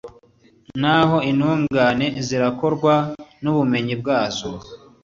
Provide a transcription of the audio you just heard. naho intungane zikarokorwa n'ubumenyi bwazo